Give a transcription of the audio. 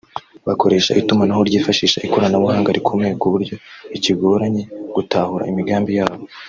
bakoresha itumanaho ryifashisha ikoranabuhanga rikomeye ku buryo bikigoranye gutahura imigambi yabo